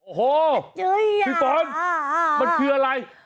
โอ้โหพี่ฝนมันคืออะไร